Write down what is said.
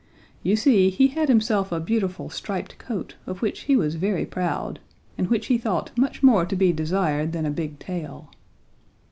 You see he had himself a beautiful striped coat of which he was very proud and which he thought much more to be desired than a big tail.